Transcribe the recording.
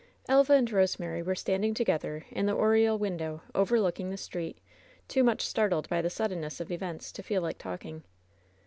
Elva and Rosemary were standing together in the oriel window overlooking the street, too much startled by the suddenness of events to feel like talking.